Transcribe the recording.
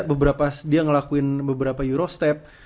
beberapa dia ngelakuin beberapa euro step